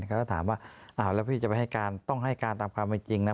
เขาก็ถามว่าอ้าวแล้วพี่จะไปให้การต้องให้การตามความเป็นจริงนะ